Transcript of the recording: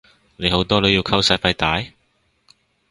你好多女要溝使費大？